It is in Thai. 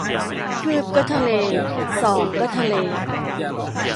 คืบก็ทะเล ศอกก็ทะเล